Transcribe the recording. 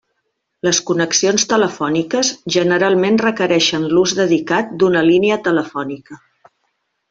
Les connexions telefòniques generalment requereixen l'ús dedicat d'una línia telefònica.